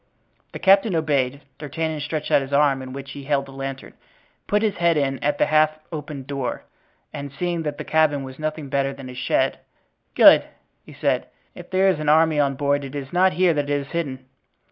The captain obeyed. D'Artagnan stretched out his arm in which he held the lantern, put his head in at the half opened door, and seeing that the cabin was nothing better than a shed: "Good," he said. "If there is an army on board it is not here that it is hidden.